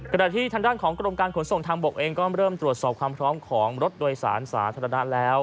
ด้านที่ทางด้านของกรมการขนส่งทางบกเองก็เริ่มตรวจสอบความพร้อมของรถโดยสารสาธารณะแล้ว